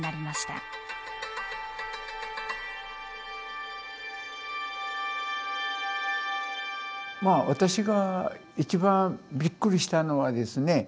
まあ私が一番びっくりしたのはですね